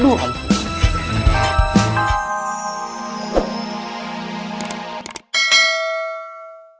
ini siapa yang dip